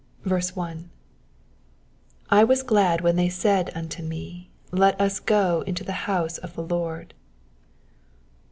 1. "J was glad when they said unto me^ Let us go into the house of the Lord."